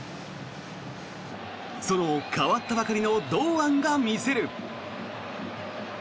その代わったばかりの堂安が見せる。